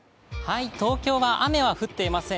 東京は雨は降っていません。